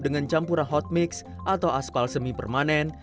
dengan campuran hot mix atau aspal semi permanen